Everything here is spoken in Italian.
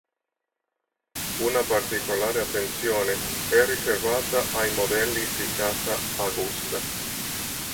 Una particolare attenzione è riservata ai modelli di casa Agusta.